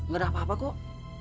gak ada apa apa kok